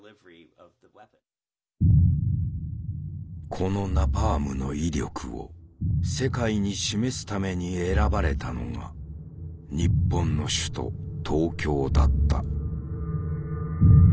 このナパームの威力を世界に示すために選ばれたのが日本の首都東京だった。